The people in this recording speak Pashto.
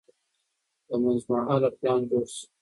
یو منځمهاله پلان جوړ شي.